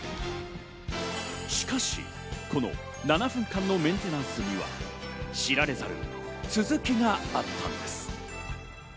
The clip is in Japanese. しかしこの７分間のメンテナンスには、知られざる続きがあったのです。